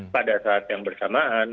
pada saat yang bersamaan